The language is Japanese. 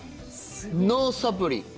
ノーサプリ。